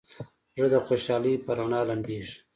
زړه د خوشحالۍ په رڼا لمبېږي.